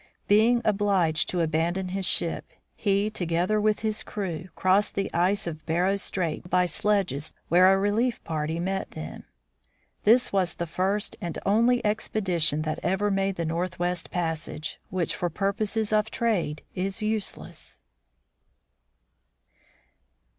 Being obliged to abandon his ship, he, together with his crew, crossed the ice of Barrow strait by sledge, where a relief party met them. This was the first and only expedition that ever made the northwest passage, which, for purposes of trade, is useless.